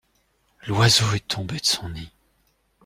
L’oiseau est tombé de son nid.